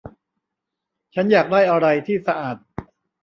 ฉันอยากได้อะไรที่สะอาด